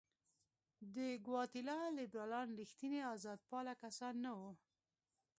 د ګواتیلا لیبرالان رښتیني آزادپاله کسان نه وو.